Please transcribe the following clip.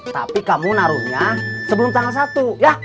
tapi kamu naruhnya sebelum tanggal satu ya